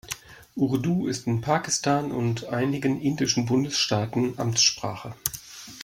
Urdu ist in Pakistan und einigen indischen Bundesstaaten Amtssprache.